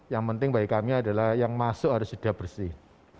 yang penting bagi kami adalah yang masuk harus sudah bersih